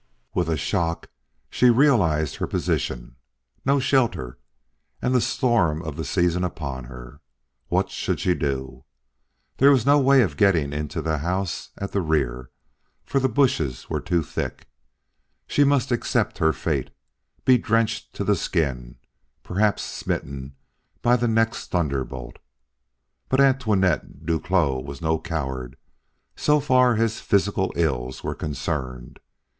With a shock she realized her position. No shelter, and the storm of the season upon her! What should she do? There was no way of getting into the house at the rear, for the bushes were too thick. She must accept her fate, be drenched to the skin, perhaps smitten by the next thunderbolt. But Antoinette Duclos was no coward, so far as physical ills were concerned.